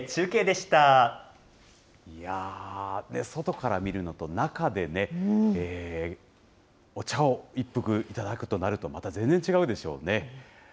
いやー、外から見るのと中でお茶を一服頂くとなるとまた全然違うでしょうね。